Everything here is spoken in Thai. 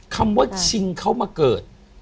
คำว่าชิงเขามาเกิด